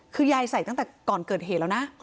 คือยายใส่ตั้งแต่ก่อนเกิดเหตุแล้วนะ